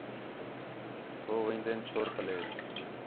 ہو وین٘دین چھور پلّے